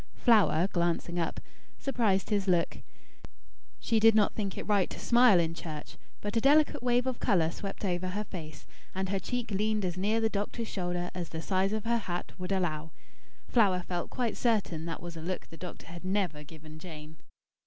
Flower, glancing up, surprised his look. She did not think it right to smile in church; but a delicate wave of colour swept over her face, and her cheek leaned as near the doctor's shoulder, as the size of her hat would allow. Flower felt quite certain that was a look the doctor had never given Jane.